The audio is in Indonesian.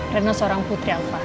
rina seorang putri alpahri